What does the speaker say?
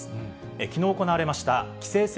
きのう行われました棋聖戦